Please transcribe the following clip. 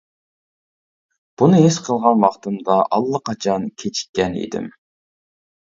بۇنى ھېس قىلغان ۋاقتىمدا ئاللىقاچان كىچىككەن ئىدىم.